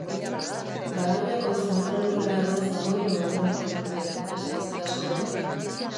Garoñako zentral nuklearra zabalik mantenduko dute beste urte askotan.